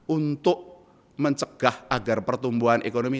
untuk mencegah agar pertumbuhan ekonomi